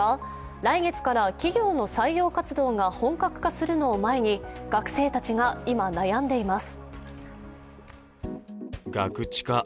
来月から企業の採用活動が本格化するのを前に学生たちが今、悩んでいます。